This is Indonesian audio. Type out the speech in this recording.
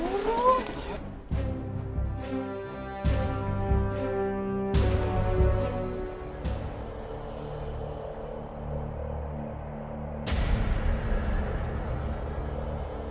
luar biasa pisan bisa terbang seperti burung